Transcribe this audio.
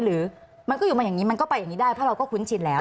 หรือมันก็อยู่มาอย่างนี้มันก็ไปอย่างนี้ได้เพราะเราก็คุ้นชินแล้ว